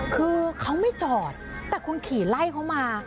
คือเขาไม่จอดแต่คุณขี่ไล่เขามา